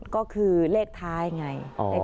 ก็คือเลขท้ายไง